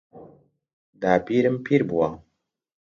داپیرم پیر بووە.